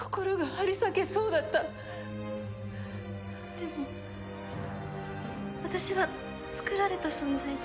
でも私はつくられた存在で。